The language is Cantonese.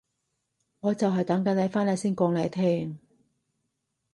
我就係等緊你返嚟先講你聽